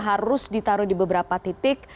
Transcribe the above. harus ditaruh di beberapa titik